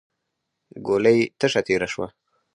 ګولۍ تشه تېره شوه.